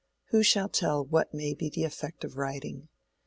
Who shall tell what may be the effect of writing?